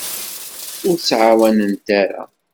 Ur ttɛawanent ara.